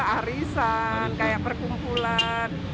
arisan kayak perkumpulan